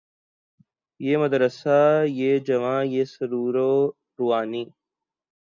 یہ مدرسہ یہ جواں یہ سرور و رعنائی